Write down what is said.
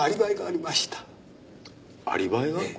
アリバイが？ええ。